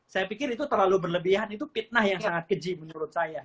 saya pikir itu terlalu berlebihan itu fitnah yang sangat keji menurut saya